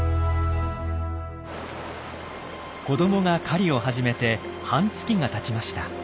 子どもが狩りを始めて半月がたちました。